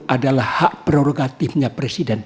adalah hak prerogatifnya presiden